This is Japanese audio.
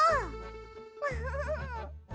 ウフフフフ。